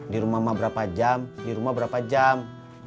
di rumah mah berapa jam di rumah berapa jam